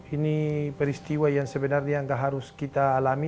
ini peristiwa yang sebenarnya nggak harus kita alami